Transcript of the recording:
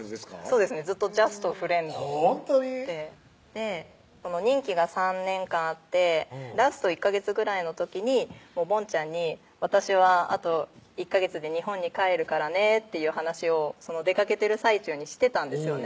そうですねずっとジャストフレンドで任期が３年間あってラスト１ヵ月ぐらいの時にボンちゃんに「私はあと１ヵ月で日本に帰るからね」っていう話を出かけてる最中にしてたんですよね